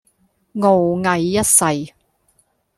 傲睨一世